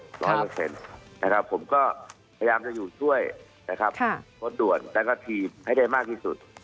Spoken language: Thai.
ในการกำลักษณวินดินก็พยายามจะอยู่ช่วยโคตรด่วนและการพีมให้ได้มากที่สุด